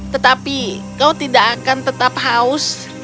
tetapi kau tidak akan tetap haus